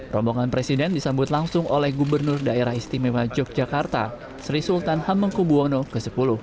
rombongan presiden disambut langsung oleh gubernur daerah istimewa yogyakarta sri sultan hamengkubuwono x